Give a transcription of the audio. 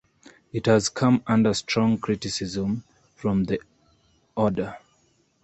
It has come under strong criticism from the Order.